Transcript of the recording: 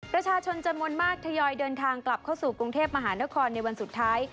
ประชาชนจำนวนมากทยอยเดินทางกลับเข้าสู่กรุงเทพมหานครในวันสุดท้าย